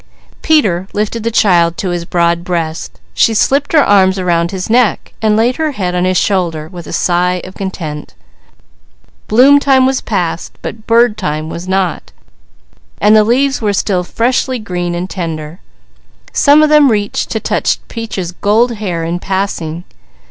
Peter lifted the child to his broad breast, she slipped her arms around his neck, and laid her head on his shoulder. Bloom time was past, but bird time was not, while the leaves were still freshly green and tender. Some of them reached to touch Peaches' gold hair in passing.